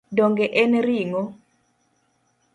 Donge en ring’o